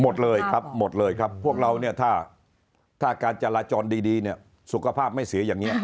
หมดเลยครับหมดเลยครับพวกเราเนี่ยถ้าการจราจรดีเนี่ยสุขภาพไม่เสียอย่างนี้